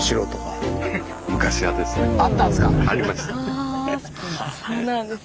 あぁそうなんですね。